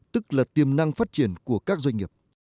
tức là tiềm năng phát triển của các doanh nghiệp